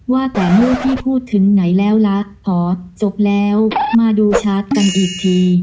ว่าแต่เมื่อพี่พูดถึงไหนแล้วล่ะพอจบแล้วมาดูชัดกันอีกที